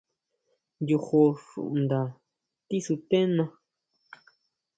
Yojó xunda tisutena.